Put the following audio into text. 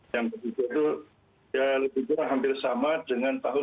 yang berikutnya itu ya lebih kurang hampir sama dengan tahun dua ribu sembilan belas